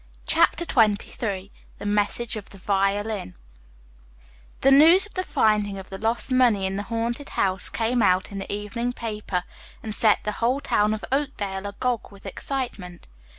CHAPTER XXIII THE MESSAGE OF THE VIOLIN The news of the finding of the lost money in the haunted house came out in the evening paper, and set the whole town of Oakdale agog with excitement.